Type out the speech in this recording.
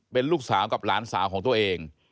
เป็นลูกสาวกับหลานสาวของตัวเอง